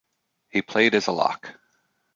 He played as a lock.